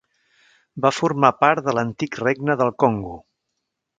Va formar part de l'antic regne del Congo.